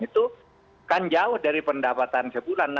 itu kan jauh dari pendapatan sebulan